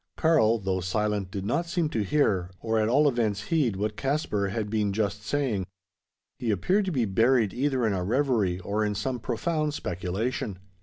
Karl, though silent, did not seem to hear, or at all events heed, what Caspar had been just saying. He appeared to be buried either in a reverie, or in some profound speculation.